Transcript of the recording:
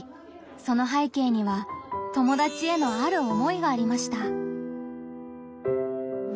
その背景には友達へのある思いがありました。